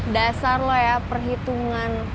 dasar lo ya perhitungan